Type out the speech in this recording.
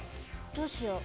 どうしよう？